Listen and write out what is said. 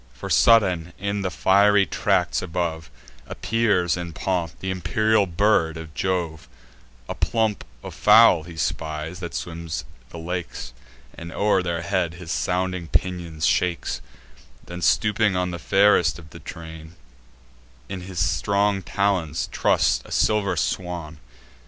For, sudden, in the fiery tracts above, Appears in pomp th' imperial bird of Jove: A plump of fowl he spies, that swim the lakes, And o'er their heads his sounding pinions shakes; Then, stooping on the fairest of the train, In his strong talons truss'd a silver swan.